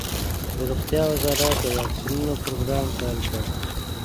د روغتیا وزارت د واکسینونو پروګرام پیل کړ.